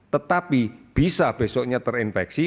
tetapi bisa besoknya terinfeksi